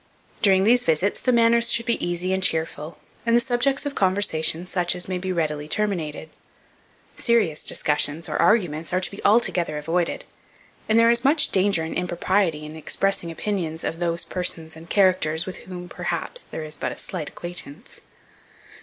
During these visits, the manners should be easy and cheerful, and the subjects of conversation such as may be readily terminated. Serious discussions or arguments are to be altogether avoided, and there is much danger and impropriety in expressing opinions of those persons and characters with whom, perhaps, there is but a slight acquaintance.